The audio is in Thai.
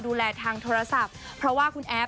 ดูแลทางโทรศัพท์เพราะว่าคุณแอฟ